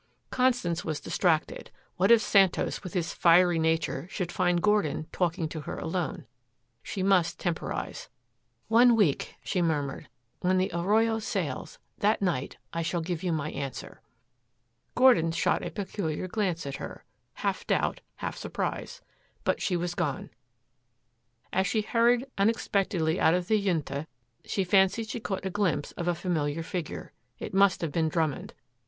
Constance was distracted, what if Santos with his fiery nature should find Gordon talking to her alone? She must temporize. "One week," she murmured. "When the Arroyo sails that night I shall give you my answer." Gordon shot a peculiar glance at her half doubt, half surprise. But she was gone. As she hurried unexpectedly out of the Junta she fancied she caught a glimpse of a familiar figure. It must have been Drummond.